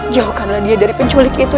jauhkanlah dia dari penculik itu